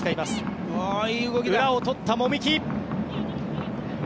裏を取った籾木。